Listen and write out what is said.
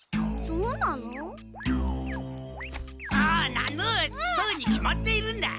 そうに決まっているんだ！